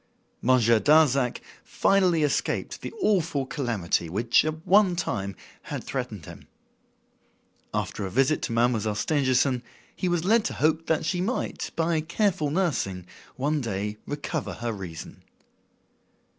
Monsieur Darzac finally escaped the awful calamity which, at one time, had threatened him. After a visit to Mademoiselle Stangerson, he was led to hope that she might, by careful nursing, one day recover her reason.